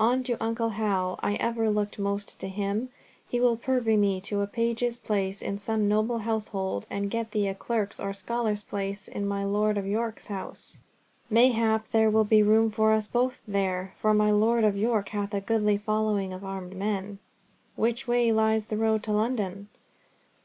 "On to uncle Hal. I ever looked most to him. He will purvey me to a page's place in some noble household, and get thee a clerk's or scholar's place in my Lord of York's house. Mayhap there will be room for us both there, for my Lord of York hath a goodly following of armed men." "Which way lies the road to London?"